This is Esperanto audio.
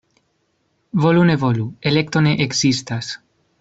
Volu-ne-volu — elekto ne ekzistas.